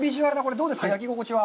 どうですか、焼き心地は。